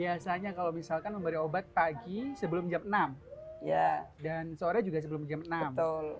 biasanya kalau misalkan memberi obat pagi sebelum jam enam ya dan sore juga sebelum jam enam